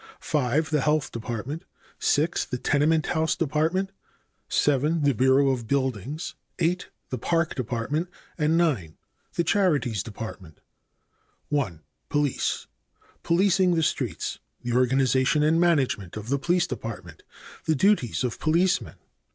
5. The Health Department. 6. The Tenement House Department. 7. The Bureau of Buildings. 8. The Park Department. 9. The Charities Department. 1. Police. Policing the Streets. The organization and management of the police department. The duties of policemen.